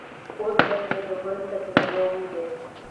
اوس به ترې د ګل تجربه وويني.